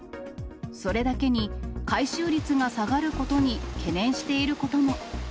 それだけに回収率が下がることに懸念していることも。